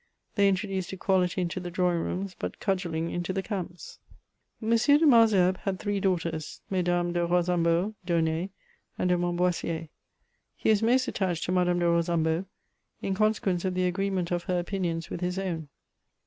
They introduced equidity into the drawing rooms, but cudgelling into the camps. M. de Malesherbes had three daughters, — Mesdames de Rosambo, d'Aulnay, and De Montboissier. He was most, attached to Madame de Rosambo, in consequence of the agree ment of her opinions with his own.